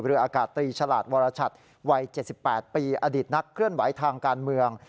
อากาศตรีฉลาดวรชัดวัย๗๘ปีอดีตนักเคลื่อนไหวทางการเมือง